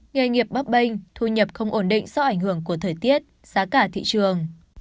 nghề nghiệp bắp bênh thu nhập không ổn định do ảnh hưởng của thời tiết giá cả thị trường